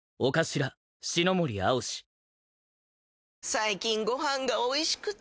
最近ご飯がおいしくて！